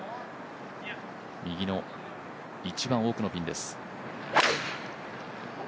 右の一番奥のピンです。